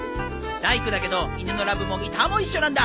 大工だけど犬のラブもギターも一緒なんだ。